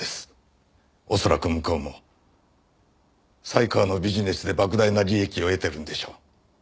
恐らく向こうも犀川のビジネスで莫大な利益を得てるんでしょう。